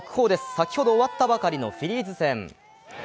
先ほど終わったばかりのフィリーズ戦。